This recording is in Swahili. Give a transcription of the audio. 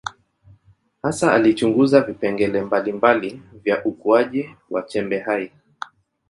Hasa alichunguza vipengele mbalimbali vya ukuaji wa chembe hai.